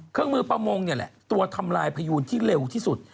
เครื่องมือประมงนี่แหละตัวทำลายพยูนที่เร็วที่สุด